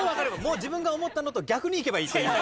自分が思ったのと逆にいけばいいという。